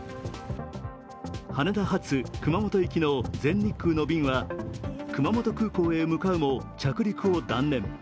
羽田発熊本行きの全日空の便は熊本空港へ向かうも着陸を断念。